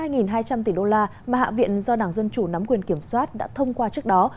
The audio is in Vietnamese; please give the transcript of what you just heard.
với dự luật trị giá hai hai trăm linh tỷ đô la mà hạ viện do đảng dân chủ nắm quyền kiểm soát đã thông qua trước đó